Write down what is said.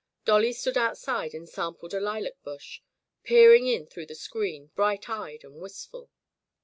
Dolly stood outside and sampled a lilac bush, peering in through the screen, bright eyed and wistful.